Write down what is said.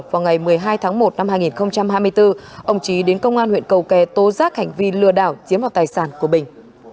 vào ngày một mươi hai tháng một năm hai nghìn hai mươi bốn ông trí đến công an huyện cầu kè tố giác hành vi lừa đảo chiếm vào tài sản của bình